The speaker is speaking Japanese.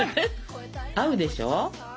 合うでしょ？